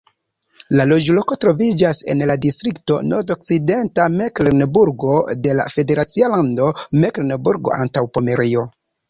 La loĝloko troviĝas en la distrikto Nordokcidenta Meklenburgo de la federacia lando Meklenburgo-Antaŭpomerio.